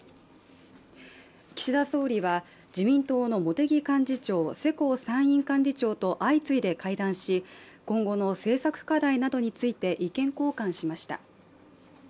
岸田総理は、自民党の茂木幹事長世耕参院幹事長と相次いで会談し、今後の政策課題などについて意見交換しました。